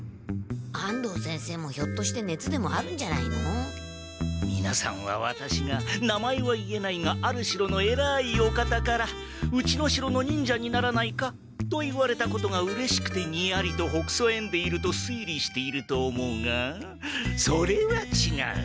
安藤先生もひょっとしてねつでもあるんじゃないの？みなさんはワタシが名前は言えないがある城のえらいお方から「うちの城の忍者にならないか？」と言われたことがうれしくてニヤリとほくそえんでいると推理していると思うがそれはちがう。